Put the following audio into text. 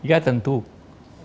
masyarakat yang diperlukan